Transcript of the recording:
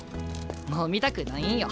もう見たくないんよ。